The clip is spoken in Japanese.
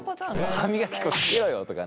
歯磨き粉つけろよとかね。